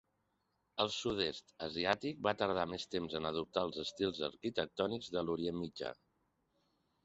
El sud-est asiàtic va tardar més temps en adoptar els estils arquitectònics de l'Orient Mitjà.